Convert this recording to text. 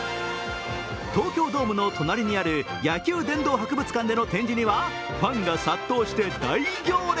東京ドームの隣にある野球殿堂博物館での展示にはファンが殺到して大行列。